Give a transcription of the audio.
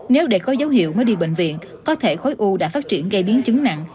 nếu để có dấu hiệu mới đi bệnh viện có thể khối u đã phát triển gây biến chứng nặng